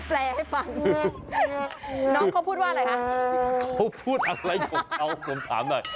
เขาพูดอะไรกับเราผมถามหน่อย